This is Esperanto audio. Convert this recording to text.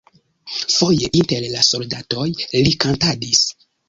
Foje inter la soldatoj li kantadis.